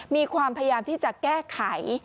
มีความพยายามที่จะแก้ไข